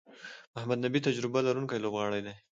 محمد نبي تجربه لرونکی لوبغاړی دئ.